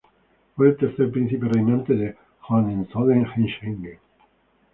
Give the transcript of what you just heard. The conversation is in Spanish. Fue el tercer príncipe reinante de Hohenzollern-Hechingen.